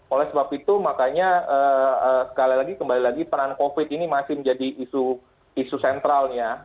oleh sebab itu makanya sekali lagi kembali lagi peran covid ini masih menjadi isu sentralnya